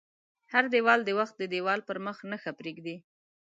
هر لیکوال د وخت د دیوال پر مخ نښه پرېږدي.